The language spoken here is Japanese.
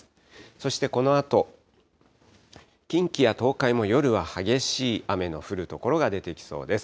そしてこのあと、近畿や東海も夜は激しい雨の降る所が出てきそうです。